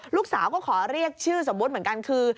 ลูกสาวก็ขอเรียกชื่อสมมุติเหมือนกันคือ